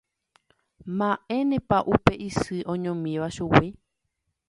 Mba'énepa upe isy oñomíva chugui